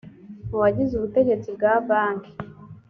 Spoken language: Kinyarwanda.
mu bagize ubutegetsi bwa banki